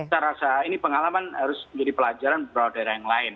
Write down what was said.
saya rasa ini pengalaman harus menjadi pelajaran beberapa daerah yang lain